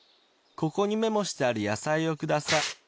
ここにメモしてある野菜をください。